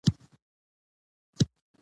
دعاګانې، عبادتونه او حجونه قبول سه.